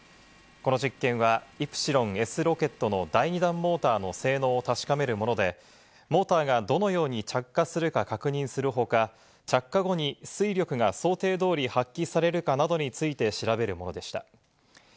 この実験はイプシロンＳロケットの２段モーターの性能を確かめるもので、モーターがどのように着火するか確認する他、着火後に推力が想定通り発揮されるかについて調べるものでした。